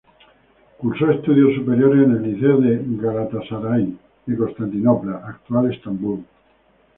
Cursó estudios superiores en el Liceo de Galatasaray de Constantinopla -actual Estambul-.